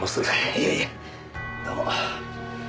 いやいやどうも。